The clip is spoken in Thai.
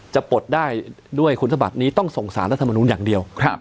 ปลดได้ด้วยคุณธบัตรนี้ต้องส่งสารรัฐมนุนอย่างเดียว